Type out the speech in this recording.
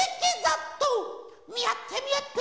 みあってみあって！